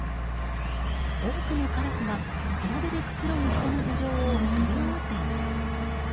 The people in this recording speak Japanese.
多くのカラスが浜辺でくつろぐ人の頭上を飛び回っています。